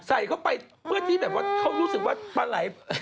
ใส่เข้าไปเพื่อที่แบบว่าเขารู้สึกว่าปลาไหล่